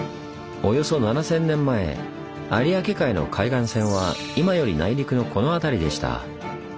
およそ７，０００年前有明海の海岸線は今より内陸のこの辺りでした。